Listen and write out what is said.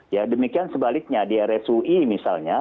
ya demikian sebaliknya di rsui misalnya